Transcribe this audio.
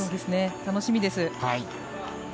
楽しみです。